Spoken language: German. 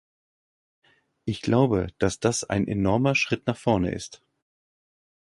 Ich glaube, dass das ein enormer Schritt nach vorne ist.